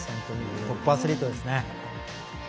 トップアスリートですね。